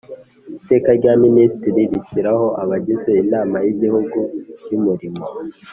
Iteka rya minisitiri rishyiraho abagize Inama y Igihugu y Umurimo